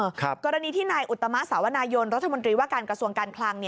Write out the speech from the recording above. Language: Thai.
อืมกรณีที่นายอุตหมสาวนายลนะครับรัฐมนตรีว่าการกระทรวงการกลาง